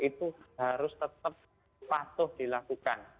itu harus tetap patuh dilakukan